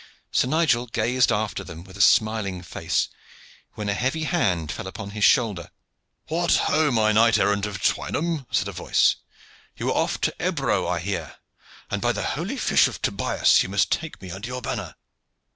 Sir Nigel gazed after them with a smiling face, when a heavy hand fell upon his shoulder. "What ho! my knight errant of Twynham!" said a voice, "You are off to Ebro, I hear; and, by the holy fish of Tobias! you must take me under your banner."